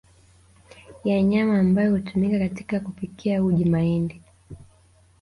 ya nyama ambayo hutumika katika kupikia uji mahindi